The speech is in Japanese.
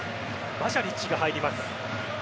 パシャリッチが入ります。